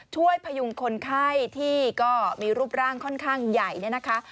พยุงคนไข้ที่ก็มีรูปร่างค่อนข้างใหญ่เนี่ยนะคะ